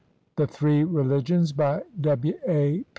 THE THREE RELIGIONS BY W. A.